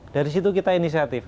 dari situ kita inisiatif